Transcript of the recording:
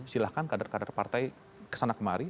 silahkan kader kader partai kesana kemari